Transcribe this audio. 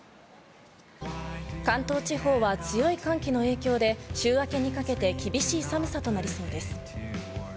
関東地方は強い寒気の影響で週明けにかけて厳しい寒さとなりそうです。